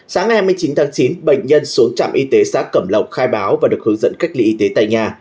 sáng ngày hai mươi chín tháng chín bệnh nhân xuống trạm y tế xã cẩm lộc khai báo và được hướng dẫn cách ly y tế tại nhà